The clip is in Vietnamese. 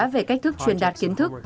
về cách thức truyền đạt kiến thức